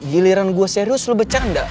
giliran gua serius lu bercanda